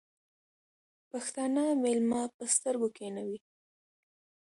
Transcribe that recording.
پښتانه مېلمه په سترگو کېنوي.